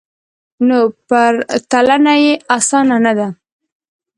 نو پرتلنه یې اسانه نه ده